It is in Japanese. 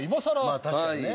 まあ確かにね。